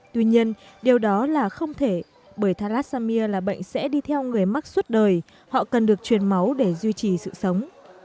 tuy nhiên điều đó là không thể bởi thalassemia là bệnh sẽ đi theo người mắc suốt đời họ cần được truyền máu để duy trì sự sống